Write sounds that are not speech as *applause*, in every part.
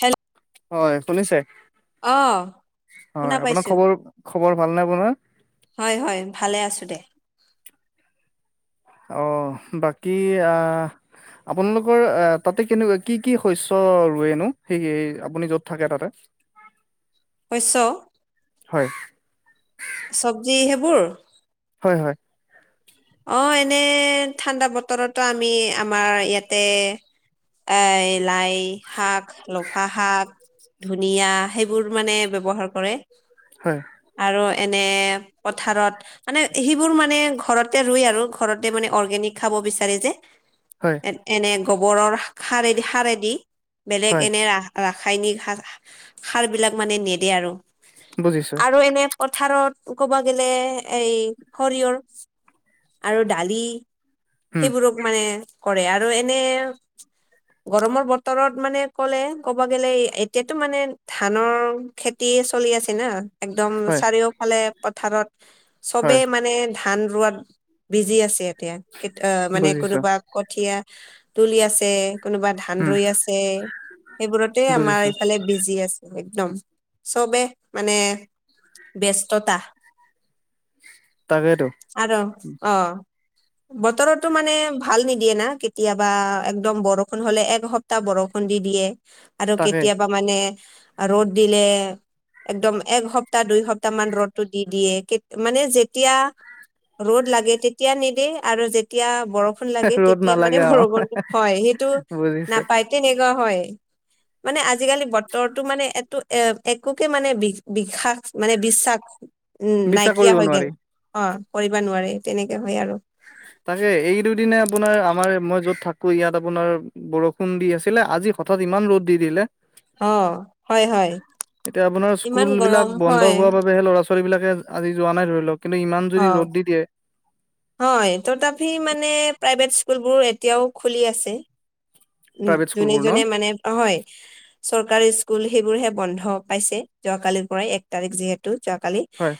Hello হয়, শুনিছে? অহ। হয় শুনা আপোনাৰ পাইছো, খবৰ খবৰ ভালনে আপোনাৰ হয় হয় ভালে আছো দে। অ বাকী আহ আপোনালোকৰ আহ তাতে কেনেকুৱা কি কি শস্য ৰোৱেনো, সেই আপুনি য'ত থাকে তাতে? *unintelligible* শস্য হয় চব্জি সেইবোৰ হয় হয় অ এনে ঠাণ্ডা বতৰতো আমি আমাৰ ইয়াতে আ ই লাই শাক লফা শাক ধুনিয়া সেইবোৰ মানে ব্যৱহাৰ কৰে হয় আৰু এনে পথাৰত মানে সেইবোৰ মানে ঘৰত ঘৰতে ৰুই আৰু ঘৰতে মানে অৰগেনিক খাব বিচাৰে যে হয় এ এনে গোবৰৰ সা সাৰেদি সাৰেদি বেলেগ হয় এনে ৰাস ৰা ৰাসায়নিক সাৰ সাৰ বিলাক মানে নেদে আৰু বুজিছো আৰু এনে পথাৰত ক'বা গেলে এই সৰিয়ৰ আৰু দালি উম সেইবোৰক মানে কৰে আৰু এনে গৰমৰ বতৰত মানে কলে ক'ব গ'লে এতিয়াতো মানে ধানৰ খেতি তি চলি আছে না একদম হয় চাৰিওফালে পথাৰত হয় চবেই মানে ধান ৰোৱাত বিজি আছে এতিয়া মানে বুজিছো কোনোবা কঠীয়া তুলি আছে কোনোবা ধান উম ৰুই আছে সেইবোৰতে আমাৰ বুজিছো এইফালে বিজি আছে একদম চবেই মানে ব্যস্ততা তাকেইতো আৰু অহ বতৰতো মানে ভাল নিদিয়ে না কেতিয়াবা একদম বৰষুণ হলে একসপ্তাহ বৰষুণ দি দিয়ে আৰু তাকে কেতিয়াবা মানে ৰ'দ দিলে একদম এক সপ্তাহ, দুই সপ্তাহমান ৰ'দটো দি দিয়ে। কে- মানে যেতিয়া ৰ'দ লাগে, তেতিয়া নেদে আৰু যেতিয়া বৰষুণ লাগে, ৰ'দ তেতিয়া মানে নালাগে অ বৰষুণটো হয়। সেইটো বুজিছে নাপায়, তেনেকুৱা হয়। মানে আজিকালি বতৰটো মানে এটো এ একোকে মানে বি- বিশাস- মানে বিশ্বাস উম, বিশ্বাস নাইকিয়া কৰিব হৈ গেল। নোৱাৰি অ' কৰিবা নোৱাৰে। তেনেকে হয় আৰু। তাকে। এই দুদিনে আপোনাৰ আমাৰে- মই য'ত থাকোঁ, ইয়াত আপোনাৰ বৰষুণ দি আছিলে আজি হঠাৎ ইমান ৰ'দ দি দিলে। অ হয় হয় এতিয়া আপোনাৰ ইমান স্কুলবিলাক গৰম বন্ধ হয় হোৱা বাবেহে ল'ৰা-ছো ছোৱালীবিলাকে আজি যোৱা নাই, ধৰি লওঁক। কিন্তু ইমান যদি অ ৰ'দ দি দিয়ে, হয়। তথাপি মানে প্ৰাইভেট স্কুলবোৰ এতিয়াও খুলি আছে। উ প্ৰাইভেট যোনে স্কুলবোৰ ন? যোনে মানে হয় চৰকাৰী স্কুল সেইবোৰ হে বন্ধ পাইছে যোৱা কালিৰ পৰাই এক তাৰিখ যিহেতু যোৱাকালি হয়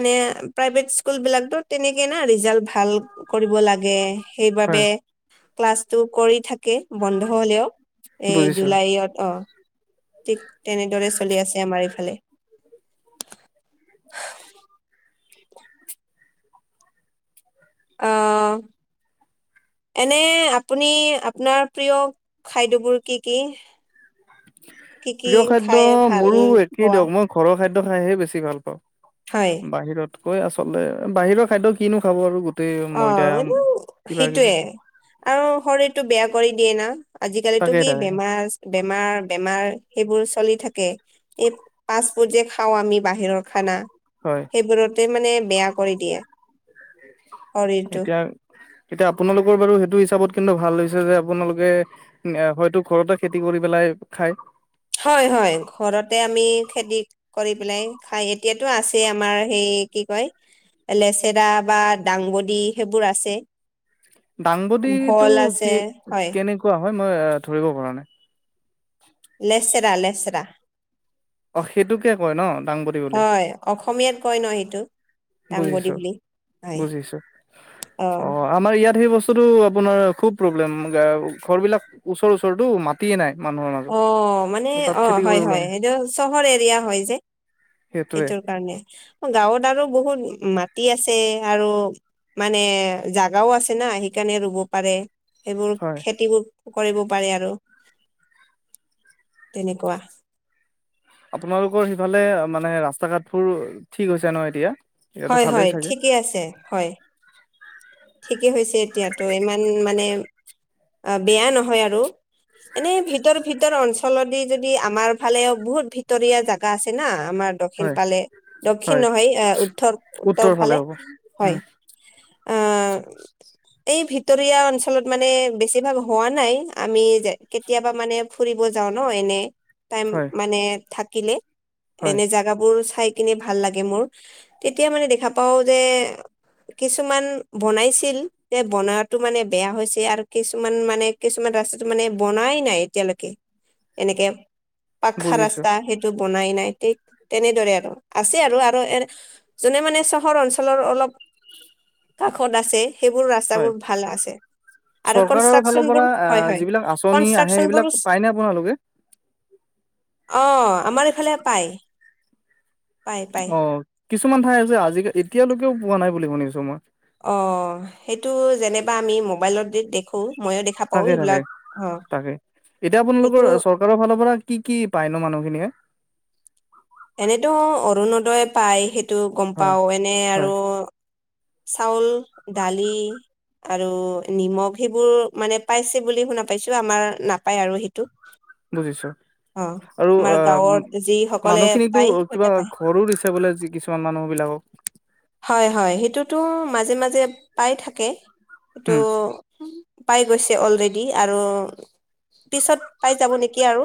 মানে প্ৰাইভেট স্কুল বিলাকতো তেনেকে না ৰিজাল্ট ভাল কৰিব লাগে হয়। সেইবাবে ক্লাছটো কৰি থাক বন্ধ হলেও এই বুজিছো জুলাইত অ ঠিক তেনেদৰে চলি আছে আমাৰ এইফালে। আহ এনে আপুনি আপোনাৰ প্ৰিয় খাদ্যবোৰ কি কি? কি কি প্ৰিয় খাদ্য খাই ভাল মোৰো একেই হোৱা দিয়ক মই ঘৰৰ খাদ্য খাইহে বেছি ভাল পাওঁ হয় বাহিৰতকৈ আচলতে বাহিৰৰ খাদ্য কিনো খাব আৰু গ অ এই সেইটোৱে আৰু শৰীৰটো বেয়া কৰি দিয়ে না। আজিকালিটো তাকে কি তাকে বেমাৰ বেমাৰ বেমাৰ সেইবোৰ চলিত থাকে এই ফাষ্টফুড যে খাওঁ আমি বাহিৰৰ খানা হয় সেইবোৰতে মানে বেয়া কৰি দিয়ে। শৰীৰটো এতিয়া এতিয়া আপোনালোকৰ বাৰু সেইটো হিচাপত কিন্তু ভাল হৈছে যে আপোনালোকে হয়তো ঘৰতে খেতি কৰি পেলাই খায় হয় হয় ঘৰতে আমি খেতি কৰি পেলাই খাই এতিয়াতো আছে আমাৰ সেই কি কয় লেচেৰা বা দাংবদী সেইবোৰ আছে দাংবদী টো ভল আছে কি হয় কেনেকুৱা? হয় মই ধৰিব পৰা নাই? লেচৰা লেচৰা অ সেইটোকে কয় ন দাংবদী বুলি। হয় অসমীয়াত কয় ন সেইটো দাংবডী বুজিছো বুলি হয় বুজিছো, অ অঁ আমাৰ ইয়াত তাত সেই বস্তুটো আপোনাৰ খুব প্ৰব্লেম গা ঘৰবিলাক ওচৰ ওচৰটো মাতিয়ে নাই। মানুহৰ অ মাজত মানে তাত অঁ খেতি হয় কৰিবলৈ হয় সেইটো চহৰ এৰিয়া হয় যে। সেইটোৱে সেইটোৰ কাৰণে, গাঁৱত আৰু বহুত মাটি আছে আৰু মানে জাগাও আছে না সেইকাৰণে ৰুব পাৰে। সেইবোৰ হয় খেতিবোৰ কৰিব পাৰে আৰু। তেনেকুৱা। আপোনালোকৰ সিফালে মানে ৰাস্তা ঘাটবোৰ ঠিক হৈছে ন এতিয়া? এতিয়াতো হয় ভালেই হয় চাগে ঠিকেই আছে হয়। ঠিকেই হৈছে এতিয়াতো ইমান মানে অ বেয়া নহয় আৰু। এনেই ভিতৰ ভিতৰ অঞ্চলৰদি যদি আমাৰ ফালেও বহুত ভিতৰীয়া জাগা আছে না আমাৰ দক্ষিণ হয় ফালে দক্ষিণ হয় নহয় এ উত্তৰ উত্তৰ ফালে হয়। আহ *inaudible* এই ভিতৰীয়া অঞ্চলত মানে বেছিভাগ হোৱা নাই, আমি যে কেতিয়াবা মানে ফুৰিব যা যাওঁ ন এনেই, টাইম হয় মানে থাকিলে হয় এনেই জাগাবোৰ চাই কিনে ভাল লাগে মোৰ, তেতিয়া মানে দেখা পাওঁ যে কিছুমান বনাইছিল দে বনোৱাতো মানে বেয়া হৈছে আৰু কিছুমান মানে কিছুমান ৰাস্ত মানে বনা নাইনাই এতিয়ালৈকে এনেকে পাখা বুজিছো ৰাস্তা সেইটো বনাই নাই, ঠিক তেনেদৰে আৰু আছে আৰু আৰু এ যোনে মানে চহৰ অঞ্চলৰ অলপ কাষত আছে সেইবোৰ হয় ৰাস্তাবোৰ ভাল আছে। আৰু চৰকাৰৰ ফালৰ কনষ্ট্ৰাকচন পৰা বোৰ হয় আহ হয়, যিবিলাক আঁচনি আহে কনষ্ট্ৰাকচন সেইবিলাক বোৰো পায়নে আপোনালোকে অঁ আমাৰ এইফালে পায় পায় পায়। অ কিছুমান ঠাই আছে আজিকাল এতিয়ালৈকেও পোৱা নাই বুলি শুনিছো মই। অ সেইটো যেনেবা আমি মোবাইলতে দেখ তাকে তাকে তাকে এতিয়া সেইটো আপোনালোকৰ চৰকাৰৰ ফালৰ পৰা কি কি পায় ন মানুহখিনিয়ে এনেতো অৰুণোদয় পায় সেইটো গম হয় পাওঁ এনে হয় আৰু চাউল, দালি। আৰু নিমখ সেইবোৰ মানে পাইছে বুলি শুনা পাইছো আমাৰ নাপায় আৰু সেইটো। বুজিছো। অ আৰু আমাৰ অ', গাঁৱত যিসকলে মানুহখিনিকো পায় কিবা সিহঁতে পায় ঘৰো দিছে বোলে কিছুমান মানুহক। বিলাকক হয় হয় সেইটোতো মাজে মাজে পাই থাকে, সেইটো উম পাই গৈছে অলৰেডি আৰু। পিছত পাই যাব নেকি আৰু।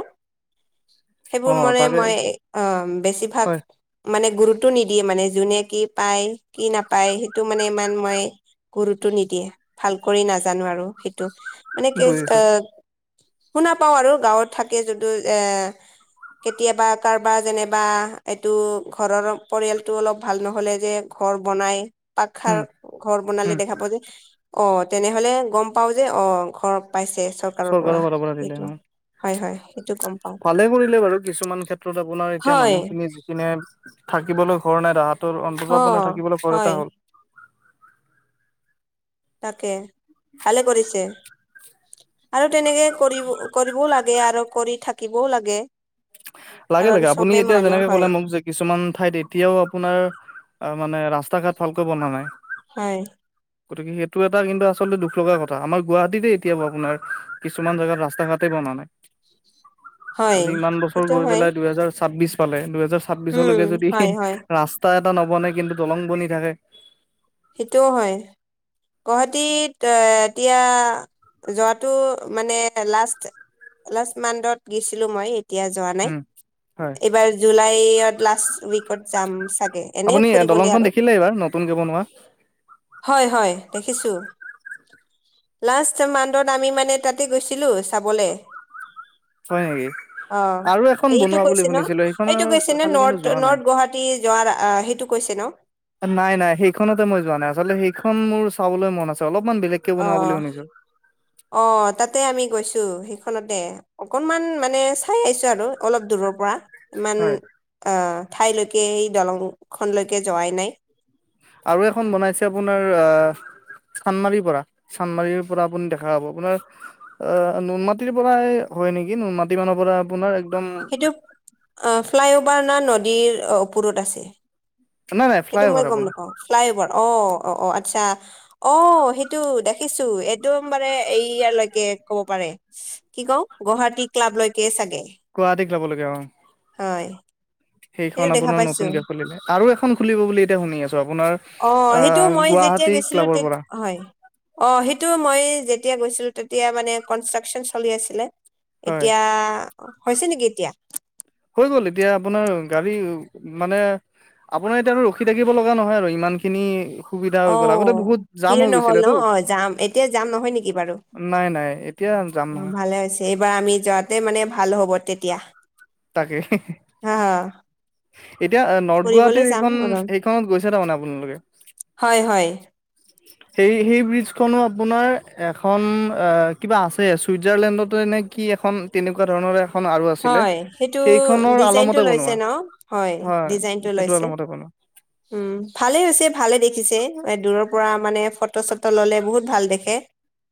অ সেইবোৰ মান তাকে মই অ', বেছিভাগ হয় মানে গুৰুত্ব নিদিয়ে মানে যোনে কি পায় কি নাপায় সেইটো মানে ইমান মই গুৰুতটো নিদিয়ে ভাল কৰি নাজানো আৰু সেইটো মানে কি বুজিছো আহ শুনা পাওঁ আৰু গাঁৱত থাকে যদিও এ কেতিয়াবা কাৰোবাৰ যেনিবা এইটো ঘৰৰ পৰিয়ালতটো অলপ ভাল নহ'লে যে ঘৰ বনাই পাক খাৰ উম ঘৰ বনালে উম দেখা পা যে অ', তেনেহলে গম পাও যে অ', ঘৰ পাইছে চৰকাৰৰ পৰা ফালৰ দিলে এইটো। অ ভালে কৰিলে বাৰু কিছুমান ক্ষেত্ৰত আপোনাৰ এতিয়া হয় মানুহখিনি যিখিনে থাকিবলৈ ঘৰ নাই তাহাঁতৰ অ অন্ততঃ থাকিবলৈ ঘৰ হয় এটা হ'ল। তাকে ভালে কৰিছে। আৰু তেনেকে কৰিব কৰিবও লাগে আৰু কৰি থাকিবও লাগে। লাগে কাৰণ লাগে আপুনি চবে এতিয়া মানুহ যেনেকে হয় ক'লে মোক যে কিছুমান ঠাইত এতিয়াও আপোনাৰ অ', মানে ৰাস্তা ঘাট ভালকৈ বনা নাই। হয়। গতিকে সেইটো এটা কিন্তু আচলতে দুখ লগা কথা আমাৰ গুৱাহাটীতে এতিয়া ব আপোনাৰ কিছুমান জাগাত ৰাস্তা ঘাটে জ নাই। হয়। আজি ইমান বছৰ গৈ হয় পেলাই দুহেজাৰ ছাব্বিশ পালে দুহেজাৰ উম ছাব্বিশলৈকে যদি হয় হয় ৰাস্তা এ টা নবনে কিন্তু দলং বনি থাকে সেইটোও হয়। গুৱাহাটীত এতিয়া যোৱাটো মানে লাষ্ট লাষ্ট মাডত গৈছিলোঁ মই, এতিয়া যোৱা নাই। উম হয় এইবাৰ জুলাইত লাষ্ট উইকত যাম চাগে এনে আপুনি ফুৰিবলে দলংখন আৰু। দেখিলে এইবাৰ নতুনকে বনোৱা হয় হয় দেখিছোঁ। লাষ্ট মান্থত আমি মানে তাতে গৈছিলো চাবলৈ। হয় নেকি? অ', আৰু এখন এইটো বনোৱা বুলি কৈছে ন' শুনিছিলো সেইখনৰ এইটো কৈছে ন ফালে কিন্তু নৰ্থ যোৱা নাই নৰ্থ গুৱাহাটী যোৱাৰ সেইটো কৈছে ছে ন'। নাই নাই সেইখনতে মই যোৱা নাই আচলতে সেইখন মোৰ চাবলৈ মন আছে অলপ অ', অ', তাতে আমি গৈছো। সেই খ দে অকনমান মানে চাই আহিছো আৰু অলপ দূৰৰ পৰা। ইমান হয় আহ ঠাইলৈকে সেই দলংখনলৈকে যোৱাই নাই। আৰু এখন বনাইছে আপোনাৰ আহ চান্দমাৰীৰ পৰা চান্দমাৰীৰ পৰা আপুনি দেখা পাব আপোনাৰ আহ নুনমাটিৰ পৰা হয় নেকি নুনমাটি মানৰ পৰা আপোনাৰ একদম সেইটো ফ্লাইঅভাৰ ন নদীৰ ওপৰত আছে। নাই নাই ফ্লাই সেইটো মই অভাৰ গম আপোনাৰ নাপাও, ফ্লাই অভাৰ অ'। অ', অ', আচ্ছা অ সেইটো দেখিছো একদম বাৰে এই ইয়ালৈকে ক'ব পাৰে কি ক গুৱাহাটী ক্লাবলৈকে চাগে। গুৱাহাটী ক্লাবৰলৈকে অ'। হয়। সেইখন সেইটো দেখা আপোনাৰ পাইছো নতুনকে খুলিলে আৰু এখন খুলিব বুলি এতিয়া শুনি আছো আপোনাৰ আহ তেতিয়া গুৱাহাটী গৈছিলো ক্লাবৰ তেত পৰা হয় অ সেইটো মই যেতিয়া গৈছিলো তেতিয়া মানে কনষ্ট্ৰাকচন চলি আছিলে হয় এতিয়া হৈছে নেকি এতিয়া হৈ গ'ল এতিয়া আপোনাৰ গাড়ী মানে আপোনাৰ এতিয়া আৰু ৰখি থাকিব লগা নহয় আৰু ইমান খিনি সুবিধা অ হৈ গ'ল আগতে বহুত জাম ভিৰ হৈ নহল ন গৈছিলেতো অ যাম এতিয়া যাম নহয় নেকি বাৰু নাই নাই এতিয়া যাম অ নহয় ভালে হৈছে এইবাৰ আমি যোৱাতে মানে ভাল হব তেতিয়া তাকে হা হা এতিয়া নৰ্থ ফুৰিবলৈ গুৱাহাটীৰ যাম সেইখন আৰু সেইখনত গৈছে তাৰমানে আপোনালোকে হয় হয় সেই সেই ব্ৰিজখনো আপোনাৰ এখন অ কিবা আছে চুইজাৰলেণ্ডতো এনে কি এখন তেনেকুৱা ধৰণৰ এখন আৰু আছিলে টো সেইখনৰ ডিজাইন টো আলমতে লৈছে বনোৱা ন হয় ডিজাইনটো সেইটো লৈছে। আলমতে বনোৱা উম ভালে হৈছে ভালে দেখিছে দূৰৰ প পৰা মানে ফটো চটো ল'লে বহুত ভাল দেখে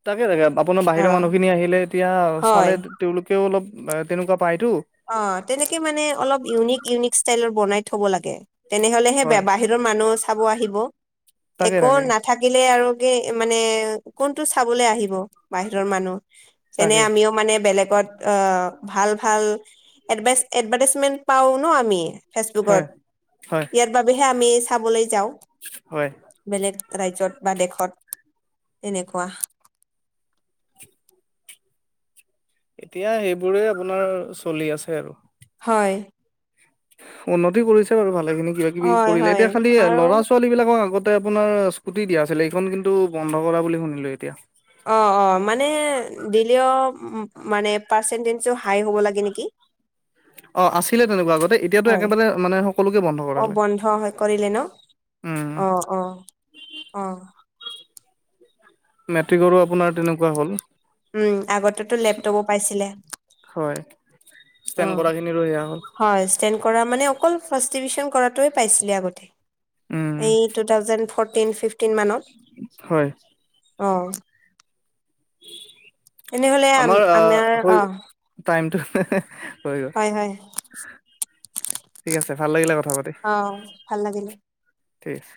তাকে তাকে আপোনাৰ অ বাহিৰৰ মানুহখিনি আহিলে এতিয়া চালে হয় তেওঁলোকেও অলপ তেনেকুৱা পায়তো অ তেনেকে মানে অলপ ইউনিক ইউনিক ষ্টাইলৰ বনাই থব লাগে তেনেহলেহে হয় বাহিৰৰ মানুহ চাব আহিব তাকে একো তাকে নাথাকিলে আৰু কি মানে এ কোনটো চাবলে আহিব বাহিৰৰ মানুহ? যেনে তাকে আমিও মানে বেলেগ গ'ত অ ভাল ভাল এ এডভাই এডভাইটেছজমেন্ট পাও ন আমি। হয় ফেচবুকত হয় ইয়াৰ বাবেহে আমি চাবলৈ যাওঁ। হয়। বেলেগ ৰাজ্যত বা দেশত এনেকুৱা এতিয়া সেইবোৰে আপোনাৰ চলি আছে আৰু। হয়। উন্নতি কৰিছে বাৰু ভালে খিনি কিবা কিবি হয় কৰিলে, হয় এতিয়া খালি আৰু ল'ৰা-ছোৱালীবিলাকৰ আগত তে আপোনাৰ স্কুটি দিয়া আছিলে সেইখন কিন্তু বন্ধ কৰা বুলি শুনিলো এতিয়া। অ অ মানে দিলেও মানে পাৰ্চন্টজ হাই হ'ব লাগে নেকি? *inaudible* অ আছিলে তেনেকুৱা আগতে এতিয়াতো হয় একেবাৰে মানে সকলোকে বন্ধ কৰালে। উম অহ অহ অহ। মেট্ৰিকৰো আপোনাৰ তেনেকুৱা হ'ল। উম আগতেতো লেপটপো পাইছিলে। হয় অ ষ্টেণ্ড কৰা খিনিৰো সেয়া হ'ল হয় ষ্টেড কৰা মানে কল ফাৰ্ষ্ট ট্ৰিবিউন কৰাটোৱে পাইছিলে আগতে। উম এই টু থাউজেণ্ড ফট টিন ফিফটিন মানত। হয়। অ। তেনেহলে আম আমাৰ আহ হৈ অ টাইমটো হৈ গ'ল হয় হয়। ঠিক আছে ভাল লাগিলে কথ অঁ ভাল লাগিলে। ঠিক আছে।